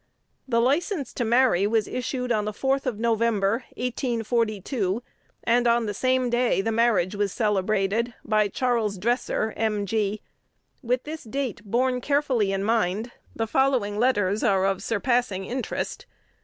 The license to marry was issued on the 4th of November, 1842, and on the same day the marriage was celebrated by Charles Dresser, "M.G." With this date carefully borne in mind, the following letters are of surpassing interest.